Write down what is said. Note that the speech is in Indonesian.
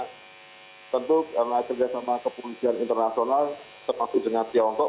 tentu karena kerjasama kepolisian internasional termasuk dengan tiongkok